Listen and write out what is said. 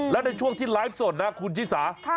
และในช่วงที่ไลฟ์สดนะคุณชิสา